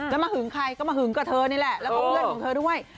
แล้วมาหึงใครก็มาหึงกับเธอนี่แหละแล้วก็เพื่อนของเธอด้วย